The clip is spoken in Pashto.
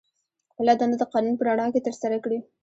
خپله دنده د قانون په رڼا کې ترسره کړي.